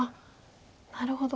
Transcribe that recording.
なるほど。